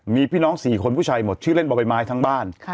มีพี่น้อง๔คนผู้ชายหมดชื่อเล่นบ่อใบไม้ทั้งบ้าน